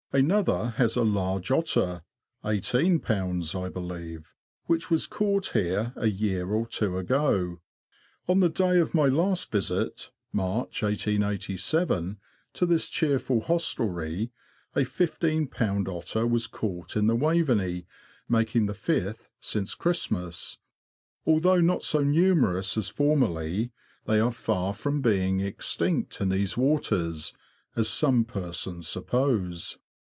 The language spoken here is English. Another has a large otter (i81b., 1 believe) which was caught here a year or two ago. On the day of my last visit (March, 1887) to this cheerful hostelry, a 151b. otter was caught in the Waveney, making the fifth since Christmas. Although not so numerous as formerly, they are far from being extinct in these waters, as some persons suppose.